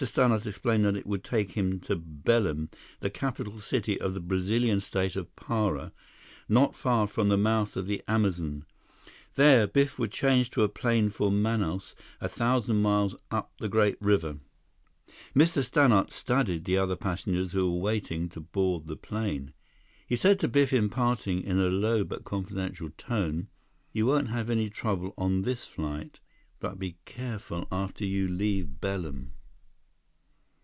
Stannart explained that it would take him to Belem, the capital city of the Brazilian state of Para, not far from the mouth of the Amazon. There, Biff would change to a plane for Manaus, a thousand miles up the great river. Mr. Stannart studied the other passengers who were waiting to board the plane. He said to Biff in parting, in a low but confident tone: "You won't have any trouble on this flight. But be careful after you leave Belem!"